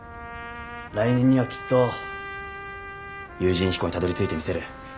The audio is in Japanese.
来年にはきっと有人飛行にたどりついてみせる。